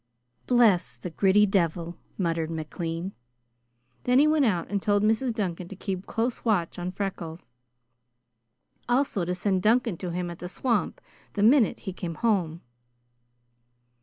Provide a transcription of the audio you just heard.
"Bless the gritty devil," muttered McLean. Then he went out and told Mrs. Duncan to keep close watch on Freckles, also to send Duncan to him at the swamp the minute he came home.